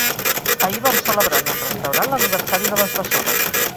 Ahir vam celebrar en un restaurant l'aniversari de les bessones